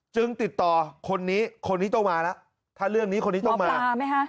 จึงติดต่อคนนี้คนนี้ต้องมาแล้วถ้าเรื่องนี้คนนี้ต้องมาไหมฮะ